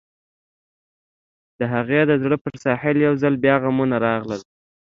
د هغې د زړه پر ساحل يو ځل بيا غمونه راغلل.